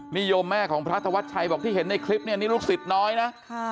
นิยมแม่ของพระธวัชชัยบอกที่เห็นในคลิปเนี่ยนี่ลูกศิษย์น้อยนะ